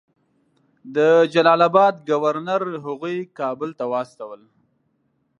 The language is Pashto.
د جلال آباد ګورنر هغوی کابل ته واستول.